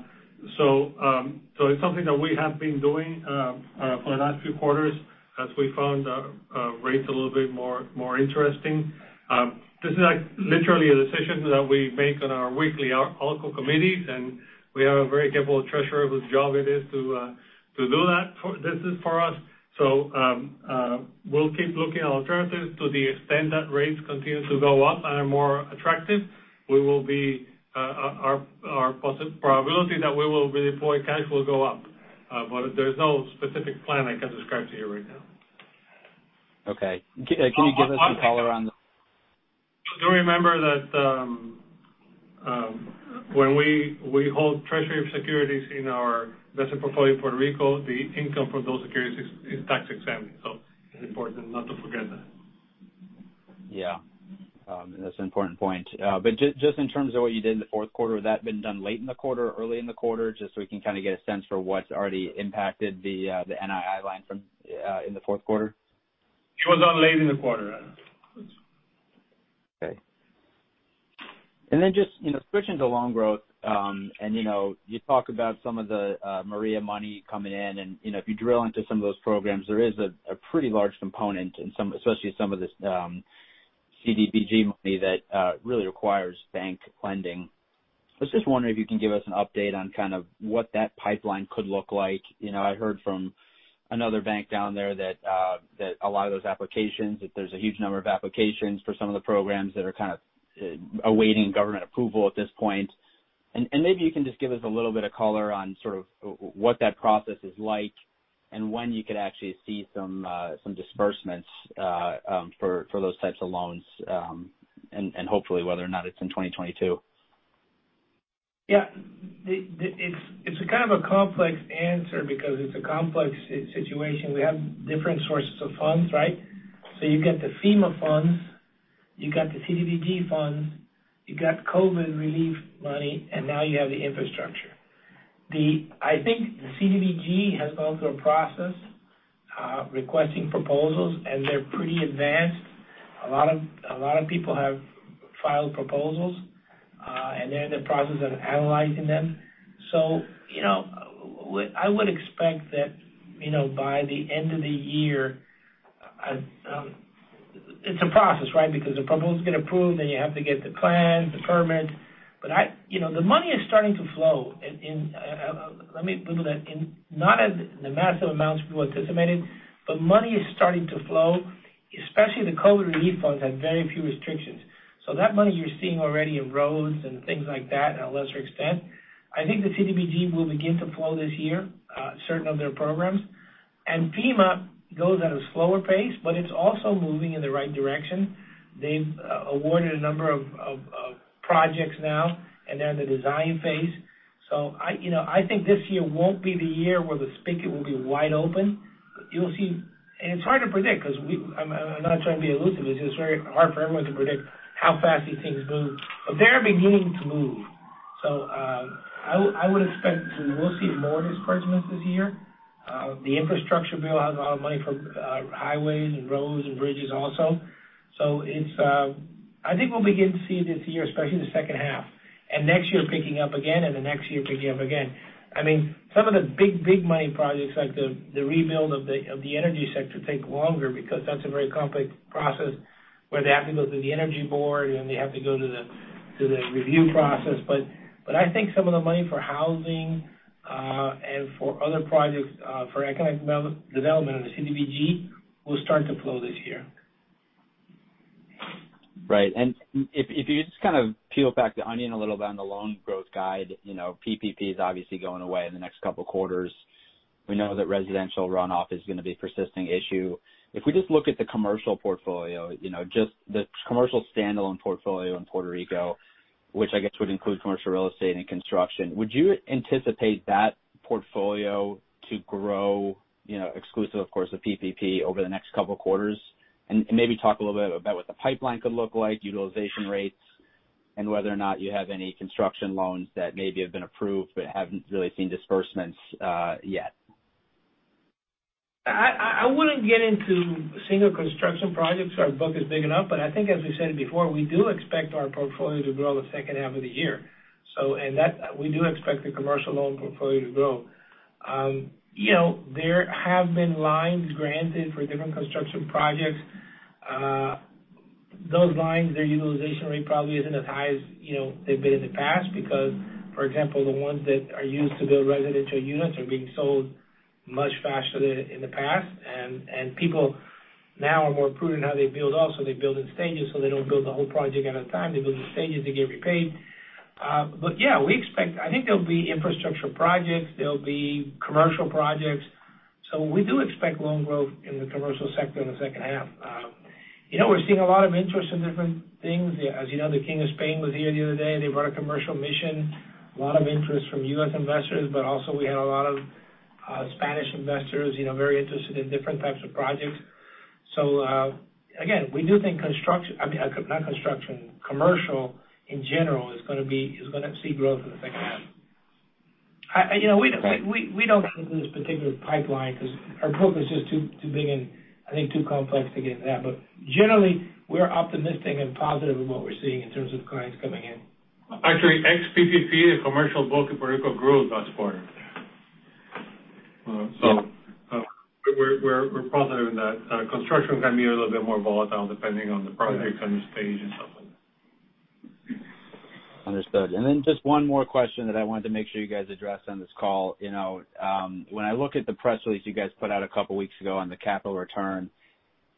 Speaker 4: It's something that we have been doing for the last few quarters as we found rates a little bit more interesting. This is, like, literally a decision that we make on our weekly ALCO committees, and we have a very capable treasurer whose job it is to do that for us. We'll keep looking at alternatives to the extent that rates continue to go up and are more attractive. Our probability that we will redeploy cash will go up. There's no specific plan I can describe to you right now.
Speaker 9: Okay. Can you give us some color on the-
Speaker 4: Do remember that when we hold Treasury securities in our investment portfolio in Puerto Rico, the income from those securities is tax-exempt. It's important not to forget that.
Speaker 9: Yeah. That's an important point. Just in terms of what you did in the fourth quarter, would that have been done late in the quarter or early in the quarter, just so we can kind of get a sense for what's already impacted the NII line from in the fourth quarter?
Speaker 4: It was done late in the quarter.
Speaker 9: Okay. Just, you know, switching to loan growth, and, you know, you talk about some of the Maria money coming in, and, you know, if you drill into some of those programs, there is a pretty large component in some, especially some of this CDBG money that really requires bank lending. I was just wondering if you can give us an update on kind of what that pipeline could look like. You know, I heard from another bank down there that a lot of those applications, that there's a huge number of applications for some of the programs that are kind of awaiting government approval at this point. Maybe you can just give us a little bit of color on sort of what that process is like and when you could actually see some disbursements for those types of loans, and hopefully whether or not it's in 2022.
Speaker 3: Yeah. It's a kind of a complex answer because it's a complex situation. We have different sources of funds, right? You get the FEMA funds, you got the CDBG funds, you got COVID relief money, and now you have the infrastructure. I think the CDBG has gone through a process requesting proposals, and they're pretty advanced. A lot of people have filed proposals, and they're in the process of analyzing them. You know, I would expect that, you know, by the end of the year, it's a process, right? Because the proposal's been approved, then you have to get the plans, the permits. You know, the money is starting to flow in. Let me put it this way, it's not at the massive amounts we anticipated, but money is starting to flow, especially the COVID relief funds had very few restrictions. That money you're seeing already in roads and things like that to a lesser extent. I think the CDBG will begin to flow this year, certain of their programs. FEMA goes at a slower pace, but it's also moving in the right direction. They've awarded a number of projects now, and they're in the design phase. You know, I think this year won't be the year where the spigot will be wide open. You'll see. It's hard to predict because I'm not trying to be elusive. It's just very hard for everyone to predict how fast these things move. They are beginning to move. I would expect that we'll see more disbursements this year. The infrastructure bill has a lot of money for highways and roads and bridges also. It's, I think we'll begin to see this year, especially in the second half, and next year picking up again and the next year picking up again. I mean, some of the big, big money projects like the rebuild of the energy sector take longer because that's a very complex process where they have to go through the energy board and they have to go to the review process. I think some of the money for housing and for other projects for economic development of the CDBG will start to flow this year.
Speaker 9: Right. If you just kind of peel back the onion a little bit on the loan growth guide, you know, PPP is obviously going away in the next couple quarters. We know that residential runoff is gonna be a persisting issue. If we just look at the commercial portfolio, you know, just the commercial standalone portfolio in Puerto Rico, which I guess would include commercial real estate and construction, would you anticipate that portfolio to grow, you know, exclusive of course, the PPP over the next couple quarters? And maybe talk a little bit about what the pipeline could look like, utilization rates, and whether or not you have any construction loans that maybe have been approved but haven't really seen disbursements yet.
Speaker 3: I wouldn't get into single construction projects. Our book is big enough. I think as we said before, we do expect our portfolio to grow the second half of the year. We do expect the commercial loan portfolio to grow. You know, there have been lines granted for different construction projects. Those lines, their utilization rate probably isn't as high as, you know, they've been in the past because, for example, the ones that are used to build residential units are being sold much faster than in the past. People now are more prudent how they build also. They build in stages, so they don't build the whole project at a time. They build in stages. They get repaid. Yeah, we expect. I think there'll be infrastructure projects, there'll be commercial projects. We do expect loan growth in the commercial sector in the second half. You know, we're seeing a lot of interest in different things. As you know, the King of Spain was here the other day. They brought a commercial mission. A lot of interest from U.S. investors, but also we had a lot of Spanish investors, you know, very interested in different types of projects. We do think commercial in general is gonna see growth in the second half. You know, we don't look at this particular pipeline because our book is just too big and I think too complex to get into that. Generally, we're optimistic and positive in what we're seeing in terms of clients coming in.
Speaker 4: Actually, ex-PPP, the commercial book of Puerto Rico grew last quarter. We're positive in that. Construction can be a little bit more volatile depending on the project, on each stage and so on.
Speaker 9: Understood. Just one more question that I wanted to make sure you guys addressed on this call. You know, when I look at the press release you guys put out a couple weeks ago on the capital return,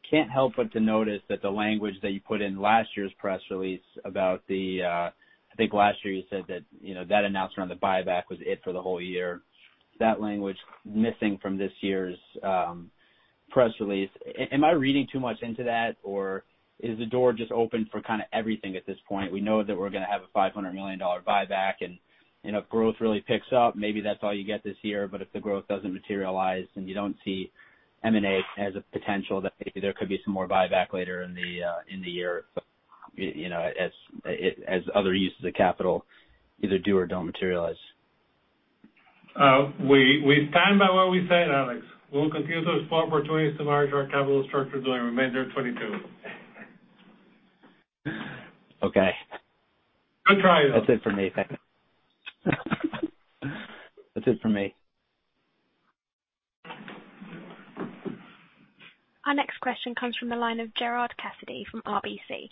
Speaker 9: can't help but to notice that the language that you put in last year's press release about the I think last year you said that, you know, that announcement on the buyback was it for the whole year. That language missing from this year's press release. Am I reading too much into that or is the door just open for kind of everything at this point? We know that we're gonna have a $500 million buyback and if growth really picks up, maybe that's all you get this year. If the growth doesn't materialize and you don't see M&A as a potential, that maybe there could be some more buyback later in the year, you know, as other uses of capital either do or don't materialize.
Speaker 4: We stand by what we said, Alex. We'll continue to explore opportunities to manage our capital structure during remainder of 2022.
Speaker 9: Okay.
Speaker 4: Good try, though.
Speaker 9: That's it for me. Thank you. That's it for me.
Speaker 1: Our next question comes from the line of Gerard Cassidy from RBC.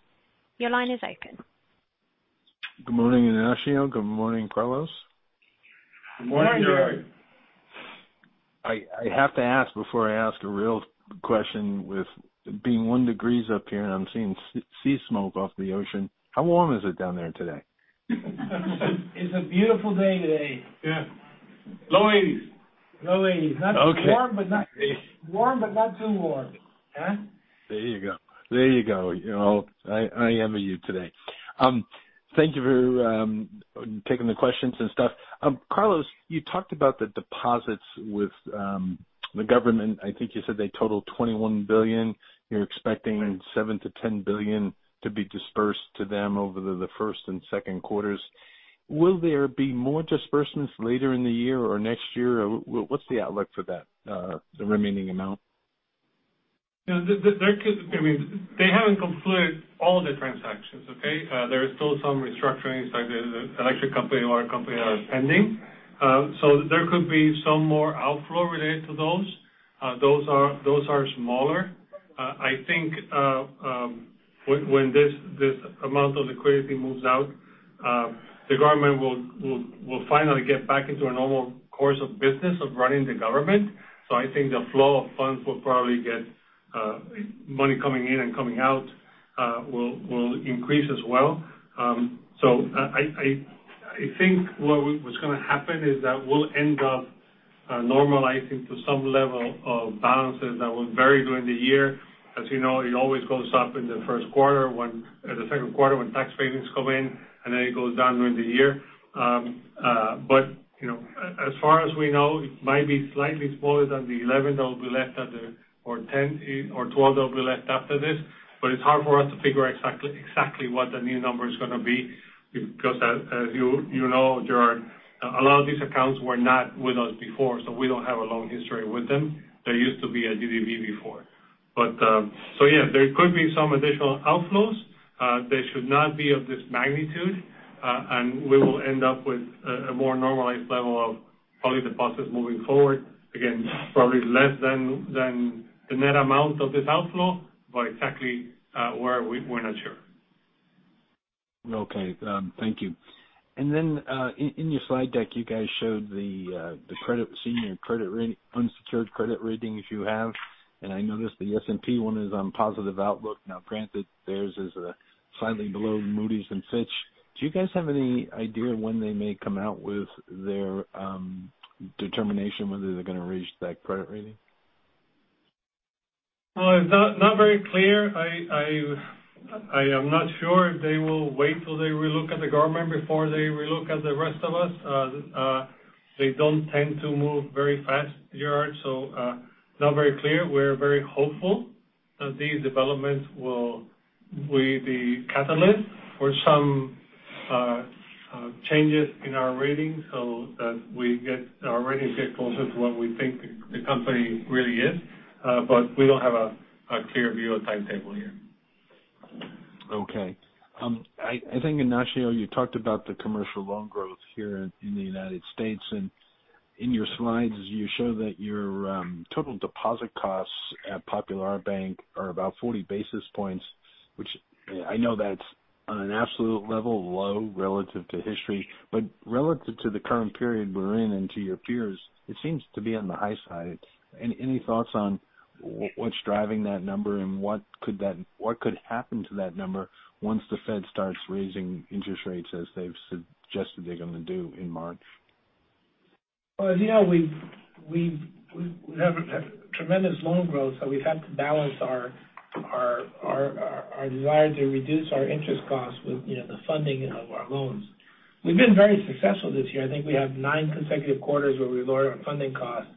Speaker 1: Your line is open.
Speaker 10: Good morning, Ignacio. Good morning, Carlos.
Speaker 4: Good morning, Gerard.
Speaker 3: Good morning.
Speaker 10: I have to ask before I ask a real question, with being 1 degrees up here and I'm seeing sea smoke off the ocean, how warm is it down there today?
Speaker 3: It's a beautiful day today.
Speaker 4: Yeah. Low 80s.
Speaker 3: Low 80s.
Speaker 10: Okay.
Speaker 3: Warm, but not too warm. Huh?
Speaker 10: I envy you today. Thank you for taking the questions and stuff. Carlos, you talked about the deposits with the government. I think you said they totaled $21 billion. You're expecting $7 billion-$10 billion to be dispersed to them over the first and second quarters. Will there be more disbursements later in the year or next year or what's the outlook for that, the remaining amount?
Speaker 4: Yeah. I mean, they haven't concluded all the transactions, okay? There are still some restructurings like the electric company, water company are pending. There could be some more outflow related to those. Those are smaller. I think when this amount of liquidity moves out, the government will finally get back into a normal course of business of running the government. I think the flow of funds will probably get money coming in and coming out will increase as well. I think what's gonna happen is that we'll end up normalizing to some level of balances that will vary during the year. As you know, it always goes up in the first quarter when or the second quarter when tax payments come in, and then it goes down during the year. You know, as far as we know, it might be slightly smaller than the 11 that will be left at the or 10 or 12 that will be left after this. It's hard for us to figure exactly what the new number is gonna be because as you know, Gerard, a lot of these accounts were not with us before, so we don't have a long history with them. They used to be at GDB before. Yeah, there could be some additional outflows. They should not be of this magnitude. We will end up with a more normalized level of probably deposits moving forward. Again, probably less than the net amount of this outflow, but exactly where we're not sure.
Speaker 10: Okay. Thank you. In your slide deck, you guys showed the senior, unsecured credit ratings you have. I noticed the S&P one is on positive outlook. Now, granted, theirs is slightly below Moody's and Fitch. Do you guys have any idea when they may come out with their determination whether they're gonna raise that credit rating?
Speaker 4: Well, it's not very clear. I am not sure if they will wait till they relook at the government before they relook at the rest of us. They don't tend to move very fast, Gerard, so not very clear. We're very hopeful that these developments will be the catalyst for some changes in our ratings so that our ratings get closer to what we think the company really is. We don't have a clear view or timetable yet.
Speaker 10: Okay. I think, Ignacio, you talked about the commercial loan growth here in the United States. In your slides you show that your total deposit costs at Popular Bank are about 40 basis points, which I know that's on an absolute level low relative to history. Relative to the current period we're in and to your peers, it seems to be on the high side. Any thoughts on what's driving that number and what could happen to that number once the Fed starts raising interest rates as they've suggested they're gonna do in March?
Speaker 3: Well, as you know, we have tremendous loan growth, so we've had to balance our desire to reduce our interest costs with, you know, the funding of our loans. We've been very successful this year. I think we have nine consecutive quarters where we lowered our funding costs.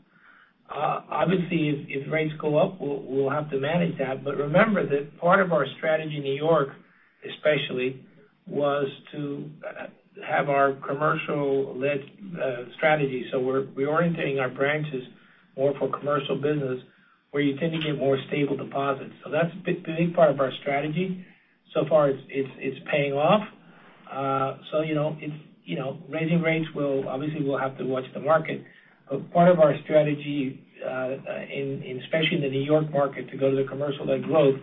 Speaker 3: Obviously if rates go up, we'll have to manage that. Remember that part of our strategy in New York especially was to have our commercial-led strategy. We're reorienting our branches more for commercial business where you tend to get more stable deposits. That's a big part of our strategy. So far it's paying off. You know, raising rates will obviously we'll have to watch the market. Part of our strategy, especially in the New York market, to go to the commercial-led growth,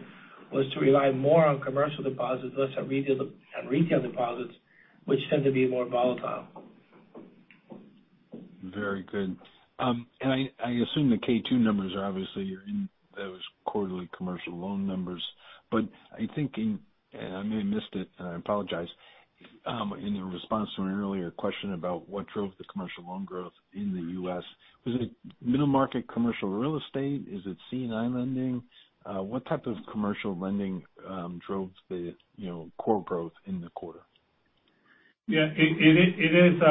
Speaker 3: was to rely more on commercial deposits, less on retail deposits, which tend to be more volatile.
Speaker 10: Very good. I assume the K2 numbers are obviously you're in those quarterly commercial loan numbers. I think, and I may have missed it, and I apologize, in your response to an earlier question about what drove the commercial loan growth in the U.S., was it middle market commercial real estate? Is it C&I lending? What type of commercial lending drove the, you know, core growth in the quarter?
Speaker 4: Yeah. It is.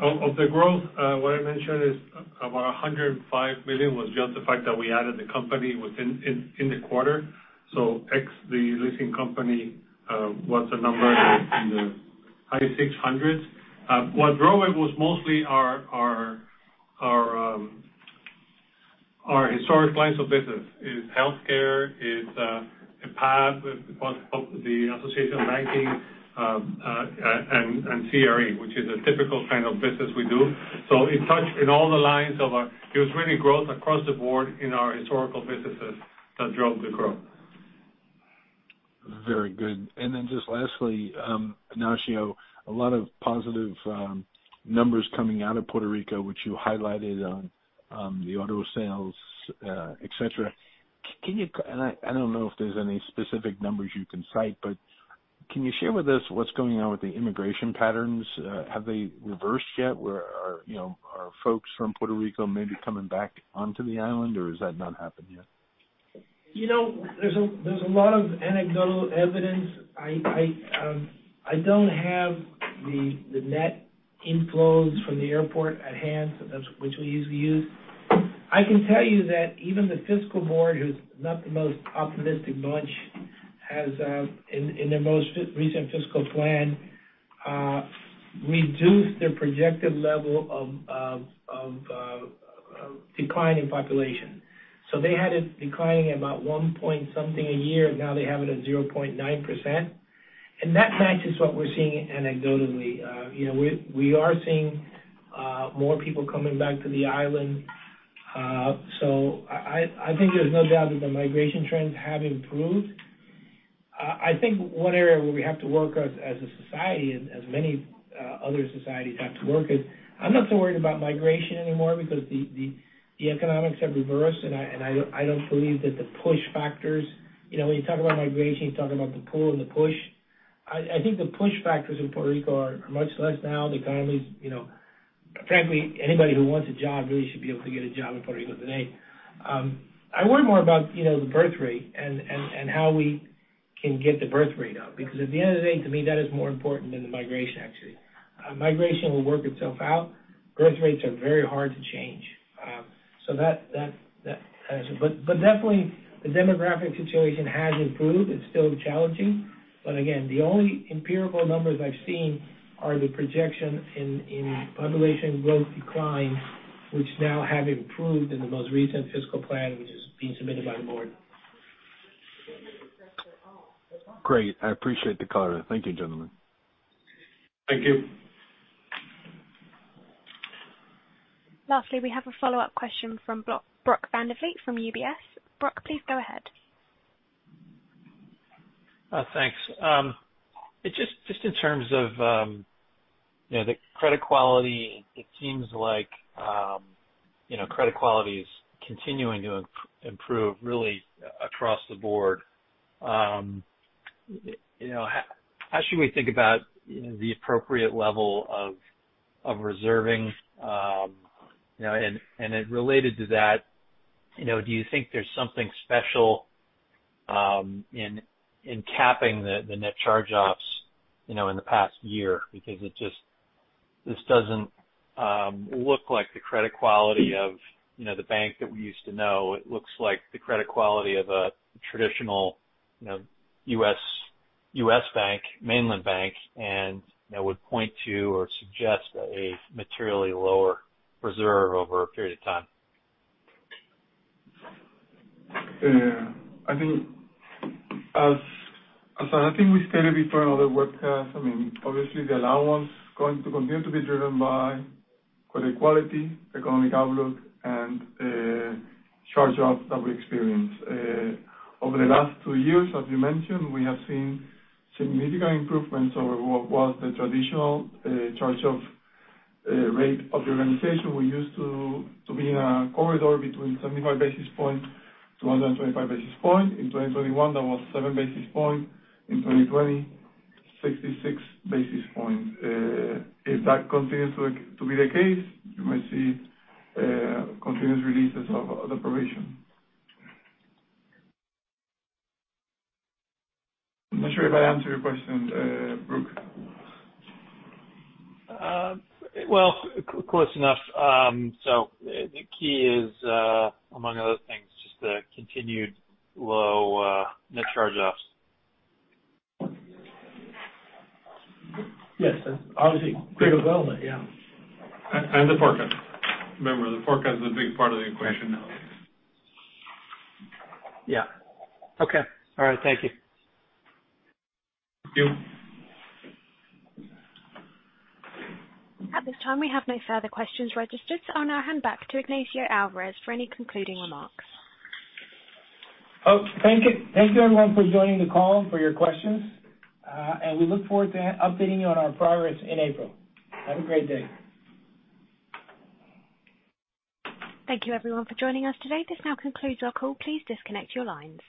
Speaker 4: Of the growth, what I mentioned is about $105 million was just the fact that we added the company within the quarter. Ex the leasing company, was a number in the high 600s. What drove it was mostly our historic lines of business. It's healthcare. It's PATH, with the Association of Banking, and CRE, which is a typical kind of business we do. It touched in all the lines of our. It was really growth across the board in our historical businesses that drove the growth.
Speaker 10: Very good. Then just lastly, Ignacio, a lot of positive numbers coming out of Puerto Rico, which you highlighted on the auto sales, et cetera. I don't know if there's any specific numbers you can cite, but can you share with us what's going on with the immigration patterns? Have they reversed yet where, you know, are folks from Puerto Rico maybe coming back onto the island or has that not happened yet?
Speaker 3: You know, there's a lot of anecdotal evidence. I don't have the net inflows from the airport at hand, so that's what we usually use. I can tell you that even the fiscal board, who's not the most optimistic bunch, has in their most recent fiscal plan reduced their projected level of declining population. They had it declining at about 1 point something a year. Now they have it at 0.9%. That matches what we're seeing anecdotally. You know, we are seeing more people coming back to the island. I think there's no doubt that the migration trends have improved. I think one area where we have to work as a society and as many other societies have to work is I'm not so worried about migration anymore because the economics have reversed, and I don't believe that the push factors. You know, when you talk about migration, you're talking about the pull and the push. I think the push factors in Puerto Rico are much less now. The economy's. You know, frankly, anybody who wants a job really should be able to get a job in Puerto Rico today. I worry more about, you know, the birth rate and how we can get the birth rate up. Because at the end of the day, to me, that is more important than the migration actually. Migration will work itself out. Birth rates are very hard to change. Definitely the demographic situation has improved. It's still challenging. Again, the only empirical numbers I've seen are the projection in population growth decline, which now have improved in the most recent fiscal plan, which is being submitted by the board.
Speaker 10: Great. I appreciate the color. Thank you, gentlemen.
Speaker 4: Thank you.
Speaker 1: Lastly, we have a follow-up question from Brock Vandervliet from UBS. Brock, please go ahead.
Speaker 7: Thanks. Just in terms of you know the credit quality, it seems like you know credit quality is continuing to improve really across the board. How should we think about you know the appropriate level of reserving? Related to that, you know do you think there's something special in capping the net charge-offs you know in the past year? Because this doesn't look like the credit quality of you know the bank that we used to know. It looks like the credit quality of a traditional you know U.S. bank, mainland bank, and that would point to or suggest a materially lower reserve over a period of time.
Speaker 4: I think as I think we stated before on other webcasts, I mean, obviously the allowance is going to continue to be driven by credit quality, economic outlook and charge-offs that we experience. Over the last two years, as you mentioned, we have seen significant improvements over what was the traditional charge-off rate of the organization. We used to be in a corridor between 75 basis points-125 basis points. In 2021, that was 7 basis points. In 2020, 66 basis points. If that continues to be the case, you might see continuous releases of the provision. I'm not sure if I answered your question, Brock.
Speaker 7: Close enough. The key is, among other things, just the continued low net charge-offs.
Speaker 3: Yes. Obviously, critical element, yeah.
Speaker 4: The forecast. Remember, the forecast is a big part of the equation now.
Speaker 7: Yeah. Okay. All right. Thank you.
Speaker 4: Thank you.
Speaker 1: At this time, we have no further questions registered, so I'll now hand back to Ignacio Alvarez for any concluding remarks.
Speaker 3: Oh, thank you. Thank you everyone for joining the call and for your questions. We look forward to updating you on our progress in April. Have a great day.
Speaker 1: Thank you everyone for joining us today. This now concludes our call. Please disconnect your lines.